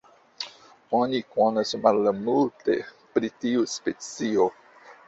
Oni konas malmulte pri tiu specio.